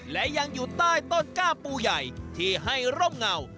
และยังอยู่ใต้ต้นก้าปูใหญ่ที่ให้ร่มเงา